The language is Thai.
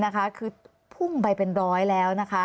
คือพุ่งไปเป็นร้อยแล้วนะคะ